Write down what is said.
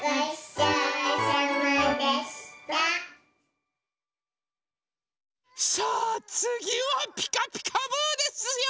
さあつぎは「ピカピカブ！」ですよ！